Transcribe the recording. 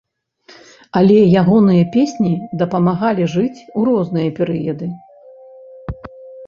Але ягоныя песні дапамагалі жыць у розныя перыяды.